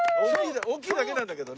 大きいだけなんだけどね。